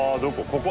ここ？